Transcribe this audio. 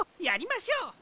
やりましょう。